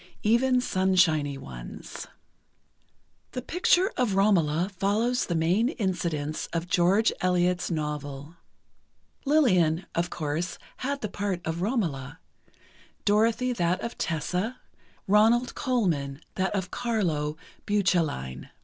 Even sunshiny ones. The picture of "Romola" follows the main incidents of George Eliot's novel. Lillian, of course, had the part of Romola, Dorothy that of Tessa, Ronald Colman that of Carlo Bucelline.